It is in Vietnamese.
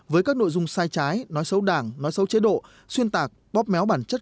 với các nội dung sai trái nói xấu đảng nói xấu chế độ xuyên tạc bóp méo bản chất